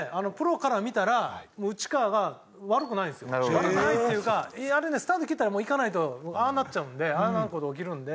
悪くないっていうかあれねスタート切ったら行かないとああなっちゃうんでああなる事が起きるんで。